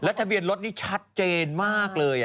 ทะเบียนรถนี่ชัดเจนมากเลย